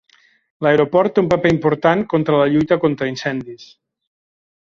L'aeroport té un paper important contra la lluita contra incendis.